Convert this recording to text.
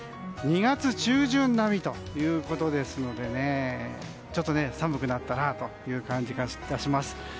２月中旬並みということですので寒くなったという感じが致します。